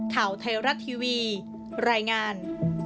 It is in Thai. ข่าวไทยรัฐทีวีรายงาน